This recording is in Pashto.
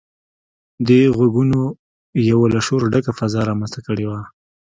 دې غږونو يوه له شوره ډکه فضا رامنځته کړې وه.